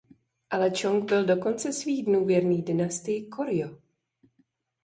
Ale Čong byl do konce svých dnů věrný dynastii Korjo.